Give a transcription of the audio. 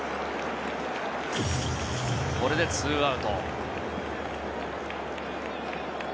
これで２アウト。